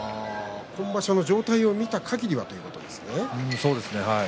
今場所の状態を見たかぎりということですね。